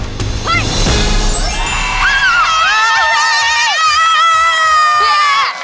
เฮ้ย